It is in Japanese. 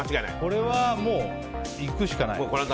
これはいくしかない。